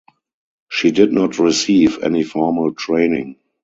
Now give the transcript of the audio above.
She did not receive any formal training.